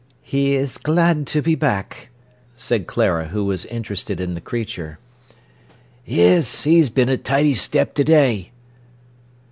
"He is glad to be back," said Clara, who was interested in the creature. "Yes—'e's been a tidy step to day."